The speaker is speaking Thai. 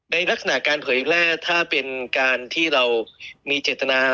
ลักษณะการเผยแร่ถ้าเป็นการที่เรามีเจตนา